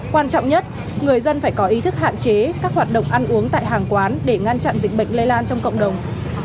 quan trọng nhất người dân phải có ý thức hạn chế các hoạt động ăn uống tại hàng quán để ngăn chặn dịch bệnh lây lan trong cộng đồng